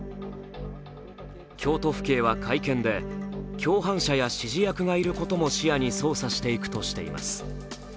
京都府警は会見で、共犯者や指示役がいることも視野に捜査していくとしています。